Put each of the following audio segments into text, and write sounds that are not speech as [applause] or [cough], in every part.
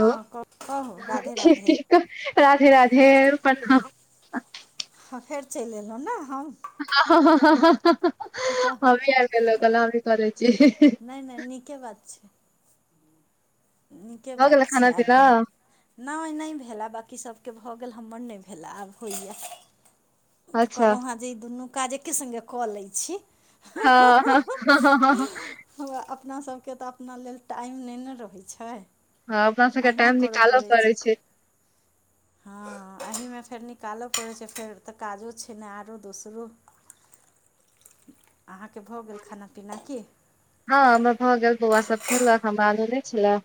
हँ कह कहु राधे ठीक राधे। ठीक राधे राधे प्रणाम। हँ फेर चलि एलहुँ ने हम। हमबी आइब गलौ कहलहु हमही करै छी। नय नय नीके बात छै। नीके बात गेलै छै खाना आबि पीना गेलहुँ। नहि नहि भेलए बाँकी सभके भऽ गेल हमर नहि भेलए आब होइया। तऽ अच्छा कहलहु हेँ जे ई दुनू काज एके संगे कऽ लै छी। ह ह। हमा अपनासभके तऽ अपना लेल टाइम नहि नै रहैय छै। हँ अपना सबके टाइम निकालऽ पड़ै छै। हँ एहीमे फेर निकालय पड़ै छै फेर तऽ काजो छै ने आरो दोसरो। अहाँके भऽ गेल खाना पीना की? हँ हमर भऽ गेल बौआ सब खेलक हमरा आलू नहि छला।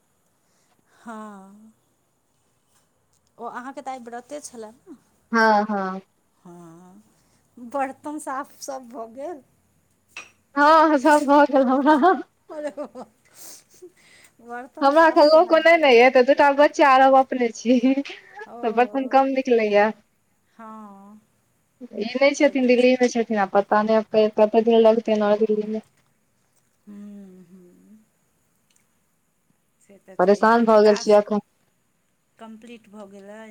हँ ओ अहाँके तऽ आइ व्रते छला ने। हँ हँ। हँ बर्तन साफ सब भऽ गेल। हँ सब भऽ गेल हमरा। [unintelligible] हमरा अखन साफ लोको नहि केनाइते ने यइ तऽ दूटा बच्चा आ हम अपने छी। ओ तऽ बर्तन कम निकलैया। हँ ई नहि से छथिन तऽ छै दिल्लीमे छथिन आ प ता नै आब कते दिन लागतैन और दिल्ली मे। हू हूं। से तऽ छै, परेशान अहाँके भऽ गेल छी टास्क एखन कम्प्लीट भऽ, गेलै।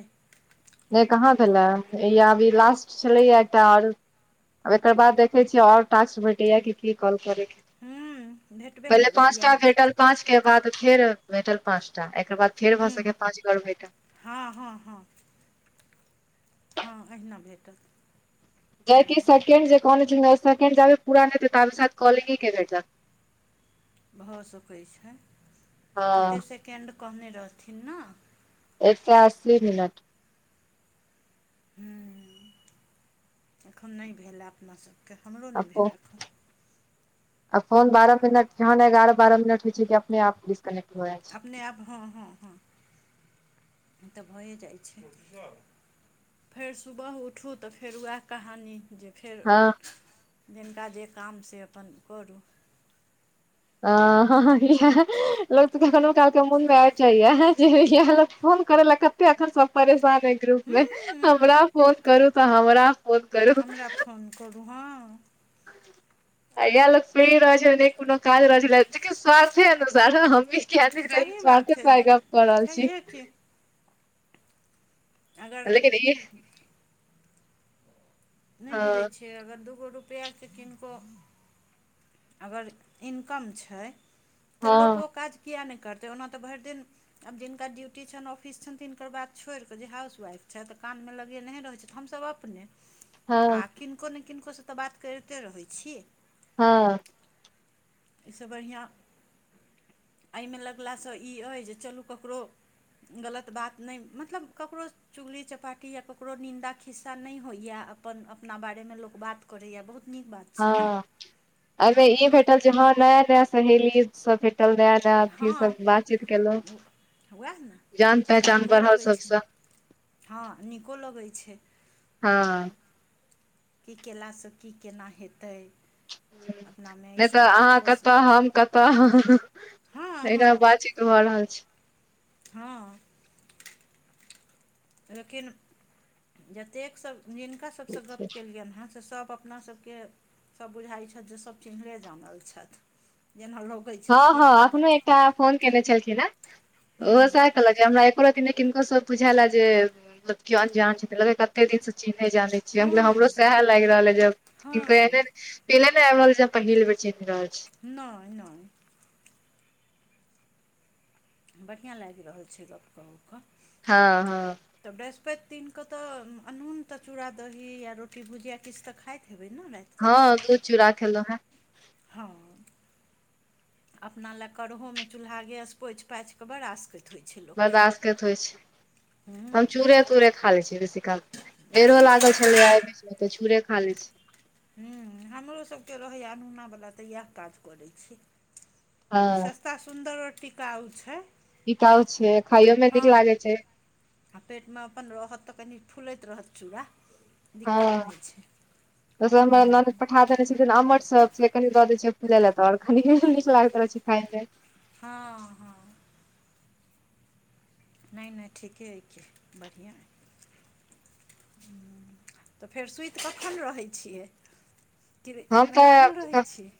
नहि कहाँ भेलै य अभी लास्ट छलैएा एकटा आओर। आब एकर बाद देखै छियै, आओर टास्क भेटैया कि की कॉल करैके। हूँ भेटबे करत इएह भेटत। पांच के बाद फेर भेटल पाचटा एकर बाद फेर भऽ हूँ सकइऐ पाँच गोर ओर भेटा। हँ -हँ -हँ। हँ अहिना भेटत। जकि सैकेंड जे कहने सेकें्ड जाबे पूरा नहिते ताब साथ कॉलिंगे के भेटत। भऽ सकैत छै, हँ कतेक सेकेण्ड कहने रहथिन न। एक से अस्सी मिनट। हू एखन नहि भेल ह अपना सबके हमरो नहि भेला एखन। आ फोन बारह मिनट जहन एगारह बारह मिनट होइ छै, कि अपने आप डिस्कनेक्ट भ जाय छै। अपने आब हँ- हँ- हँ तऽ, भएए जाइ छै। फेर सुबह उठू तऽ, फेर उएह कहानी। जे फेर हँ जिनका जे काम से अपन करू। आ। ह -ह ई [unintelligible] लोक कखनो काल के मोन मे आइब जाइया जे येह लोग फोन करे लए क। अखन सब परेशान हय ग्रुप मे हूँ हमरा फोन करू तऽ, हमरा फोन। करू हमरा फोन करू हँ। आ इएह लोक फ्री रह छै, नइ कोनो काज रहै छलये ची की स्व्थे अनुसार हमी। किहेत घिचरहि सही बात स्वाथे छै पर आई दुन गप कऽ रहल छी, छैहे [unintelligible] की अगर [inaudible] लेकिन ई नहि बुझै हँ छियै, अगर दूगो रुपया के किनको। अगर इनकम छई, तऽ हँ लोको ओ काज किया नइ करतै, ओना तऽ भरि दिन आब जिनका ड्यूटी छनि, ऑफिस छनि तिनकर बाद छोड़िक के, जे हाउस वाइफ छ तऽ कान मे लगे नहि रहैत, छयत हमसभ अपने हँ आ किनको ने किनकोसँ तऽ, बात करिते रहै छी। हँ [unintelligible] एहिसँ बढ़िआँ एहिमे लगलासँ ई अइ जे चलू ककरो गलत बात नइ मतलब ककरो चुगली चपाटी या ककरो निन्दा खिस्सा नहि होइए अपन अपना बारेमे लोग बात करैए बहुत नीक बात छै ने हँ एँ अमे ई कोनो भेटल जे हँ नया - नया सहेली सब भेटल रेहा। अथी सब हँ बातचीत केलहु उएह ने [unintelligible] जान आ पहचान नीको बढ़ल लगै सब छै स हँ नीको लगैत छै, हँ की केला स की केना हेते। नय तऽ, अहाँ कतऽ, सकैत हम कतऽ, हँ एहिना हँ बातचीत [unintelligible] भऽ रहल छै। हँ। लेकिन जतेक सब जिनका, सभसँ छै गप्प केलियनि हँ, से सभ अपनासभ के सब बुझाइ छऐथ जे सब चिन्हने जानल छथ। जेना लोक हँ - हँ एखो एकटा फोन केने छलखिन ह ओ स हूँ कहलक हमरा एकोरती नै किनको सॅं बुझेएल ए जे मतलब कियो अनजान छथिन लगैये कते दिन से चिन्है जानै छियै हम कहलियै हमरो हँ सेएह लागि रहल अइ जे किनको हँ एहन टीले ने आबि रहल छै। पहिल बेर चिन्ह रहल छथिन। नै नै। बढ़ियां लागि रहल छै गप्प कऽ कऽ क। हँ हँ। तऽ बृहस्पति दिन कऽ तऽ अनून तऽ चूड़ा दही या रोटी भुजिया किछ तऽ खाइत हेबइ न राति हँ त चूड़ा खेलौ हें। हँ अपना लेए करहोमे चूल्हा गेस पोछि पाछि कऽ बड़ आसकैत बड़ आसकैत होइ हूँ छै। चूड़े तूड़े खा लै छियै बेसी काल बेरो लागल छलै अइ बीच मे तऽ चूड़े खा लै छी। हूँ हमरो सबके रहैये अनूना बला तऽ येएह काज करै छी। हँ [unintelligible] सस्ता सुन्दर और टिकाउ छै। टिकाउ छै खाइयो मे हँ नीक लागै छै। आ पेट मे अपन रहत तऽ कनि फुलैत रहत चूड़ा। दिक्कत हँ नहि छै जबसे हमरा ननैद पठा देने छथिन अम्मट सब से कनि दऽ दै छियै फुलै ले तऽ और कनी नीक लागैत रहै छै खाइमे। हँ हँ। नै नै ठीके अइ कि बढ़ियां अइ। तऽ फेर सुइत कखन रहै छियै? कि एइमे लागल रहै छी?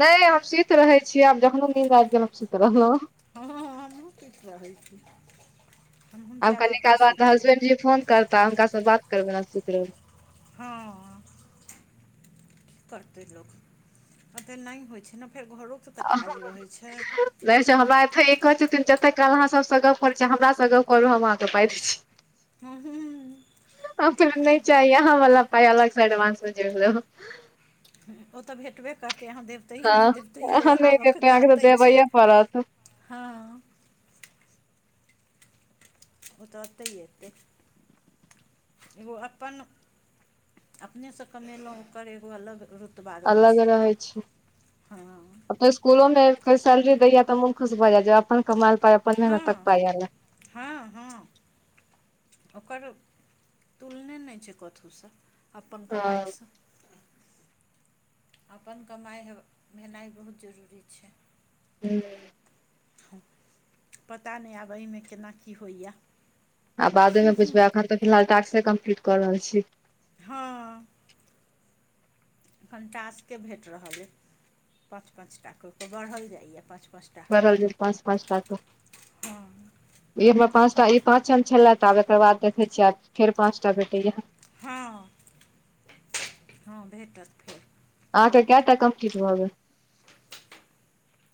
नै हम सुति रहै छियै आब जखन नीन्द आबि गेल हम सुति रहलहुँ। हँ हँ हमहूँ सुइत रहै छी। हमहूँ आब जायब कनी काल बाद तऽ सुति रहब हसबैंड जी फोन करता हुनका सँ बात करबनि आ सुइत रहबै। हँ। कि करतै लोक आब तऽ नै होइ छै ने फेर घरो आ। [inaudible] नै से हमरा एते इ कहै छथिन जते काल अहाँ सब सँ गप्प करै छियै हमरा सॅं गप करू हम अहाँके पाइ दै छी। हँ हूं। हम कहलियै नै चाही अहां बला पाइ अलग सँ एडवांस मे जोइड़ लेब हम। ओ तऽ भेटबे करतै अहाँ देब तैयो नै हँ देब तैयो अहाँ नहि आबऽ देब क तऽ अहाँके अतै छै। देबैये पड़त हँ। ओ तऽ अत्तै एतै। एगो अपन अपने सँ कमेलौं ओकर एगो अलग रु रुतबा रहै छै हँ। अपन स्कुलो मे कर सैलरी दैए तऽ मोन खुश भऽ जाइये अपन कमायल पाइ अपन हँ मेहनतक पाइ आएल ए। हँ हँ। ओकर तुलने नै छै कथु सँ अपन हँ कमाई सँ। अपन कमाई भेनाइ बहुत जरूरी छै। हूँ। पता नै आब अइमे केना की होइये। आब बादे मे बुझबै एखन तऽ फिलहाल टास्केे कम्प्लीट कऽ रहल छी। हँ अखन टास्के भेट रहल अइ। पांच - पांच टा कऽ के बढ़ल जाइये पांच - पांच टा। बरहल जाइये पाँच - पाँच टा के। हँ ई हमर पाँच टा ई पाँचम छलै त आब एकर बाद देखैत छियै आब फेर पाँचटा भेटैए। हँ हँ भेटत फेर। आ त कटा कम्पलीट भबै।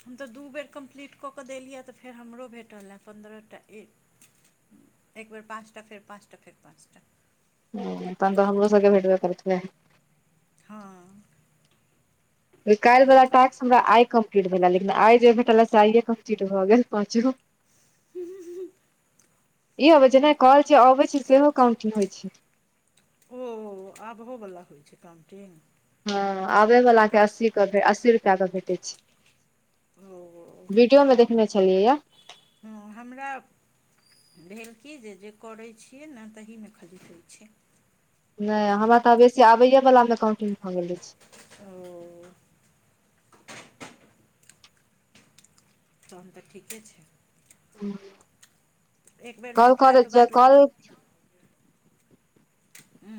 हम तऽ दू बेर कम्प्लीट कऽ कऽ देलियै तऽ फेर हमरो भेटल हए पन्द्रह टा ए। एक बेर पाँचटा फर पाँचटा फर पाँचटा। ह तन तऽ हमो सगे भेटब कर छलै। हँ। काल्हिवला अहिना टास्क हमरा आइ कम्प्लीट भेलै लेकिन आइ जे भेटलँ आइय कम्प्लीट भऽ गेल पाँचगो। ह। ई अबै छै जेना कल छै अबैत छै सेहो काउंटींग होइ छै। ओ हो आबहोवला होइ छै काउंटिंग। हँ आबैवलाके हम अस्सीके अस्सी रुपैआके भेटै ओ छै। वीडियो मे देखने छलियै या। हँ हमरा। भेल की जे जे करैत छियै ने तहीमे खददैत छै। नहि हमरा तऽ बेसी आबैयएवलामे काउंटिंग भग गेलै छै। ओ। तहन तऽ ठीके छै। [unintelligible] एक बेर कल भेटलाके करर छै बाद कल। लोकके हू।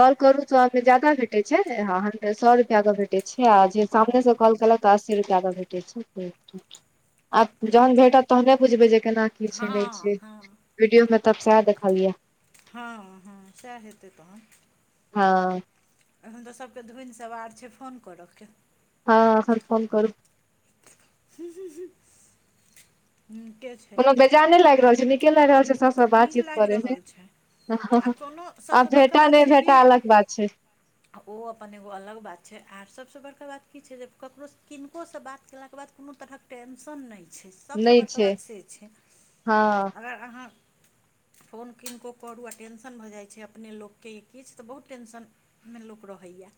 कॉल करू त अहके ज जााददा भेटैत छै अहाँ सए रुपैआ के भेटैत छै आ जे हँ सामने से हँ कॉल केलक प असी रुपैआ के भेटै छै। चलू आब तैयो जहन ठीक भेटत तहने बुझबै जे केना की छै हँ नहि छै। हँ वीडियो में तब सह देखलियै। हँ हँ सएह हेतै तहहन। हँ हम तऽ सभकेँ धुनि सवार छै फोन करऽके। हँ हर कम करू। हू-हू ह के छै। जाने लागि रहल छै नीके लागि रहल छै सबसँ नीक बातचीत लागि करेमे। रहल छै आ हँ-हँ कोनो आ सभसँ भेटा नहि भेटा अलग बात छै। आ ओ अपन एगो अलग बात छै आर सभसँ बड़का बात की छै जे ककरोसँ किनकोसँ बात कयेलाके बाद कोनो तरहक टेन्शन नहि छै सबसँ नहि बड़का छै बात से छै हँ अगर अहाँ फोन किनको करू आ टेंशन भऽ जाइ छै अपने लोककेँ किछु तऽ बहुत टेंशन मे लुक रहोइय।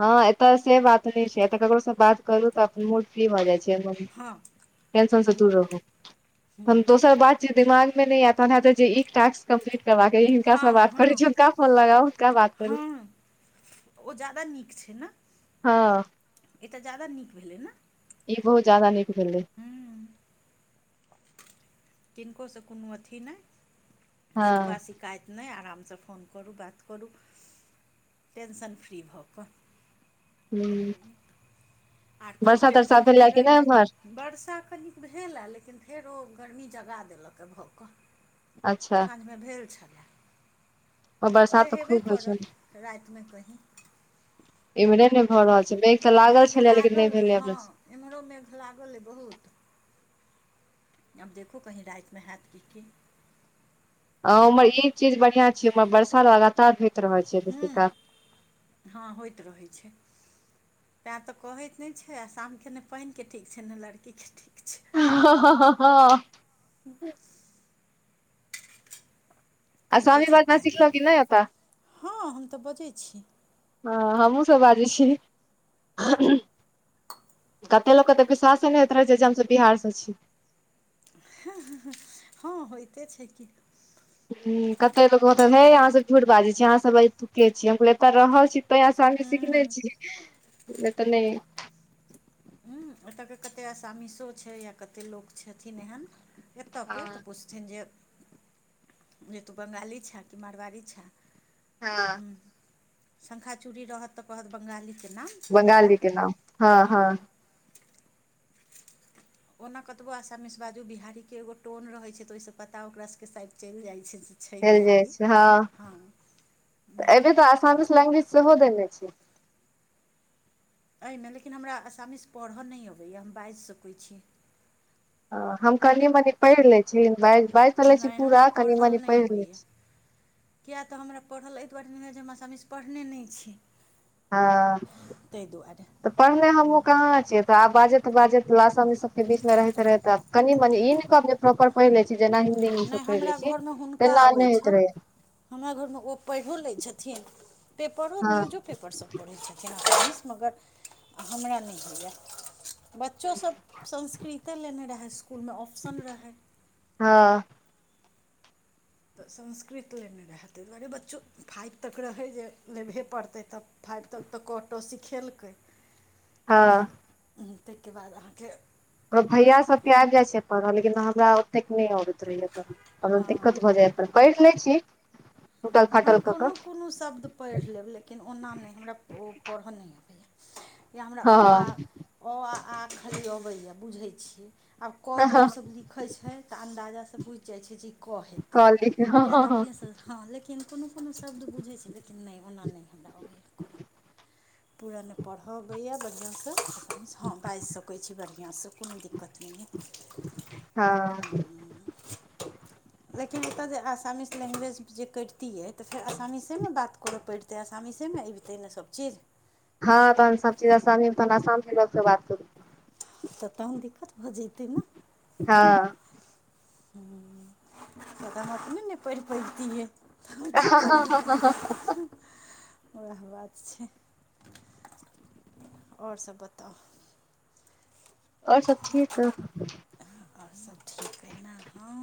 हँ एतऽ से बात नहि छै एतऽ ककरो से बात करू तऽ अपन मूड फ्री भऽ जाइ छै। हँ ंशनसँ हूँ दूर रहू हम हूँ दोसर बात जे दिमाग मे नहि एत हेत जे ई टास्क कम्प्लीट करा के हिनका से हँ बात कर हँ हुनका फोन लगाउ हुनका बात करू। हँ ओ जादा नीक छै ने। हँ ई तऽ ज्यादा नीक भेलै ने। ई बहुत ज जााददा नीकु भेलै। हूँ किनकोसँ कोनो अथी नहि सिखबा हँ सिख शिकाइत नहि आरामसँ फोन करू बात करू टेंशन फ्री भऽ कऽ हूँ। आर खो टेंशन फ्री कि नहि रहनाइ एम्हर वर्षा कनि भेल आ लेकिन फेर ओ गर्मी जगा देलक हँ भऽ कऽ। अच्छा। साँझमे भेल छला। फेर बरसात तऽ हेबे खूब होइ छै करत रातिमे कहीँ। इम्हेरे नहि भऽ रहल छै मेघ तऽ लागल छलै लेकिन नहि भेलै। [unintelligible] इम्हरो मेघ लागल अइ बहुत। आब देखु कहीं रातिमे हयैत कि की? आ उम्हर ई चीज बढ़ियां छीये उम्हर वर्षा लगातार होइत रहय हू हँ होइत रहै छै। तैं तऽ कहैत नहि छै आशाम के ने पाइनि के ठीक छै ने लड़की के ठीक छै। ह कहिते आसामी छै भाषा तैँ के सिखलौ की नहि ओतऽ। हँ हम तऽ बजै छी। हँ हमहूँ सब बाजै छी। कते लोकके तऽ विश्वासे नहि होइत रहै जे हमस बिहारसँ छी। हँ होइते छै कि। हुं कते लोक कहतै हे अहाँसभ झूठ बाजै छी अहाँसभ ऐतुके छी हम कहल एतऽ रहल छी तय आसामी सिखनेे हूँ छी नहि तऽ नहि। एतऽ के कते आसामी शो छै या कते लोक छथिन एहन एत के हँ तऽ पुछ छथिन जे जे तू बंगाली छै कि मारवाड़ी छै। हँ ह्म शंखा चूड़ी रहत तऽ कहत बंगाली के नाम जादा, बंगाली के नाम हँ हुं। हँ ओना कतबौ आसामीस बाजू बिहारीके एगो टोन रहै छै तऽ ओहिसँ पता ओकरासभके साइड चलि जाइ छै। छै चैल जाइ बिहारी छै हँ नहि एबे तऽ नहि आसामिस लैंग्वेज सेहो देने छै। एहिमे लेकिन हमरा आसामीस पढ़ऽ नहि अबैया हम बाजि सकैत छी। हम कनि मनी पढ़ि ले छी बा बाइज त लै छी नहि हमरा पूरा कनि मनी पढ़ि लै छी। कियाक तऽ हमरा पढ़ल एहि दुआरे नहि होए जे हमरा आसामीस पढ़ने नहि छी। हँ। तऽ पढ़ने हमहूँ कहाँ छियै तऽ आब बाजैत बाजैत आशामी सभके बीचमे रहैत रहैत आब कनि मनी ई नहि कहब जे प्रॉपर पढ़ लै छी जेना हिन्दींगसभ नहि पढ़ि लै हमरा छी घरमे हुनका तेना अबै नहि होइत छनि रहैया। हमरा घरमे ओ पढ़ियओ लै छथिन पेपरो हँ न्यूजो पेपरसब पढ़ै छथिन [inaudible] मगर हमरा नहि होइया। बच्चो सब संस्कृते लेने रहै इसकुलमे ऑप्शन रहै। हँ। तऽ संस्कृत लेने रहै तहि दुआरे बच्चो फाइव तक रहै जे लेबहे पड़तै तब फाइव तक तऽ क ट सिखेलकै। हँ। हुं ताहिके बाद अहाँके हमर भैया सब के आबि जाय छै परह लेकिन हमरा ओतेक नहि अबैत रहैया त हमरा हँ दिक्कत भऽ जाइया। पैढ़ लै छी। टूटल फाटल हम कऽ कोनो कोनो शब्द पढ़ि लेब लेकिन ओना नहि हमरा ओ पढ़य नहि अबैया। या हमरा अ आ कऽ अ आ खाली अबैए बुझैत छियै। आब कऽ जे हँ ओसब लिखैत छै, त अन्दाजाँ स बुझि जाइ छियै जे ई कऽ हय। क लिख के हँ- हँ- हँ हँ लेकिन कोनो-कोनो शब्द बुझै छि, लेकिन नहि ओना नहि हमरा अबै यैं करऽ। [inaudible] पूरा नहि पढ़य अबैए बढ़ियां सँ, हँ बाजि सकै छी बढ़ियां सँ कोनो दिक्कत नहि यए। हँ लेकिन ओतय जे आसामीस लैंग्वेज जे करितियै, तऽ फेर आसामीसे मे बात करऽ पड़ि ते आसामीसे मे अबतै न सबचीज। हँ तहन सब चीज आसामी, तहन आसाम लोकसे बात करू। तऽ तहन दिक्कत भऽ जयतै न। हँ हूं तखन हम अपने नहि पईढ़ पइबतीयै। त हम कि करियै हूं- वैह बात छै, अओर सब बताउ। अओर सब ठीक अए। और सब ठीक अय ना हँऽ